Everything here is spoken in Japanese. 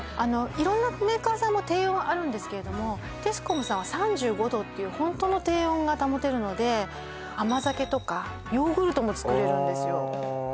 色んなメーカーさんも低温あるんですけれどもテスコムさんは３５℃っていうホントの低温が保てるので甘酒とかヨーグルトも作れるんですよああ